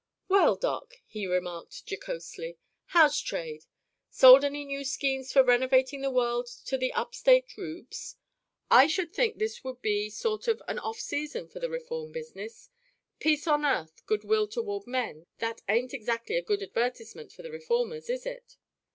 "Well, Doc," he remarked jocosely, "how's trade? Sold any new schemes for renovating the world to the up state rubes? I should think this would be sort of an off season for the reform business. Peace on earth, good will toward men that ain't exactly a good advertisement for the reformers, is it?"